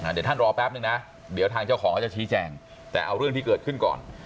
เดี๋ยวท่านรอแป๊บนึงนะเดี๋ยวทางเจ้าของเขาจะชี้แจงแต่เอาเรื่องที่เกิดขึ้นก่อน